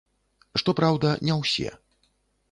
Што праўда, не ўсе.